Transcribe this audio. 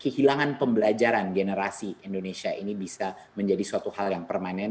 kehilangan pembelajaran generasi indonesia ini bisa menjadi suatu hal yang permanen